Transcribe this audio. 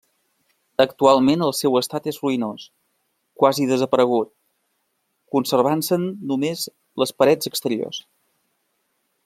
Actualment el seu estat és ruïnós, quasi desaparegut, conservant-se'n només les parets exteriors.